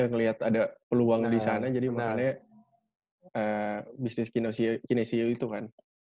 ngelihat ada peluang disana jadi makanya bisnis kinesio itu kan